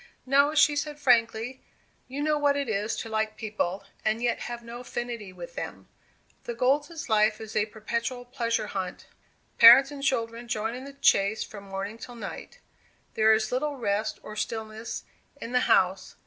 "No," she said, frankly. "You know what it is to like people, and yet have no affinity with them. The Golds' life is a perpetual pleasure hunt. Parents and children join in the chase from morning till night; there is little rest or stillness in the house.